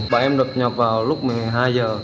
bạn em đột nhập vào lúc một mươi hai h